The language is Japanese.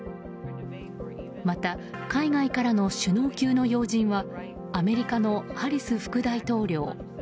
また、海外からの首脳級の要人はアメリカのハリス副大統領